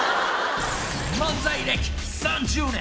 ［漫才歴３０年。